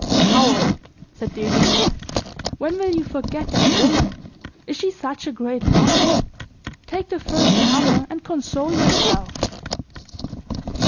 "Coward!" said Desgenais, "when will you forget that woman? Is she such a great loss? Take the first comer and console yourself."